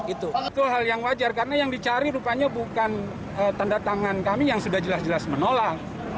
itu hal yang wajar karena yang dicari rupanya bukan tanda tangan kami yang sudah jelas jelas menolak